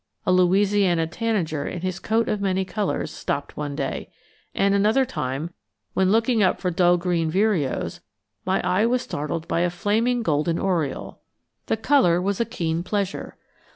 A Louisiana tanager in his coat of many colors stopped one day, and another time, when looking up for dull green vireos, my eye was startled by a flaming golden oriole. The color was a keen pleasure.